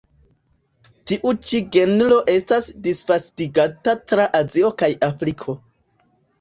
Tiu ĉi genro estas disvastigata tra Azio kaj Afriko.